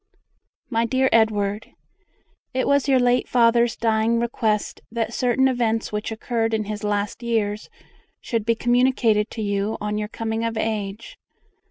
MY DEAR EDWARD, It was your late father's dying request that certain events which occurred in his last years should be communicated to you on your coming of age.